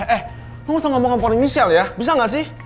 eh eh lu gausah ngomong komponen misal ya bisa ga sih